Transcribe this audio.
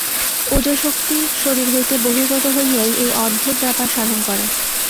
ওজঃশক্তি শরীর হইতে বহির্গত হইয়াই এই অদ্ভুত ব্যাপার সাধন করে।